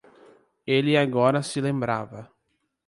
Ele agora se lembrava